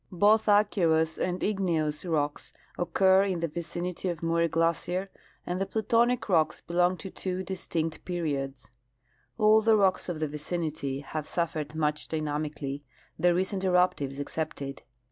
Both aqueous and igneous rocks occur in the vicinity of Muir glacier, and the plutonic rocks belong to two distinct periods. All the rocks of the vicinity have suffered much dynamically, the recent eruptives excepted.